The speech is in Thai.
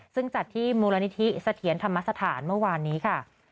ซึ่งจัดที่มูลนิธิเสถียรธรรมสถานเมื่อวานนี้ค่ะ